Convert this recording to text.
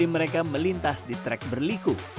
ini empat wd mereka melintas di track berliku